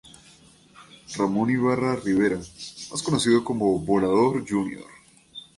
Ramón Ibarra Rivera, más conocido como Volador, Jr.